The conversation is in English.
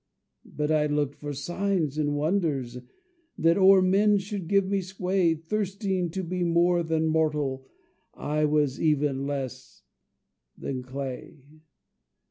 "But I looked for signs and wonders, That o'er men should give me sway, Thirsting to be more than mortal, I was even less than clay.